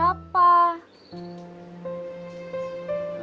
kaka mau dateng jam berapa